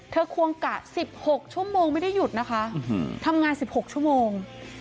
เธอควงกะสิบหกชั่วโมงไม่ได้หยุดนะคะอืมทำงานสิบหกชั่วโมง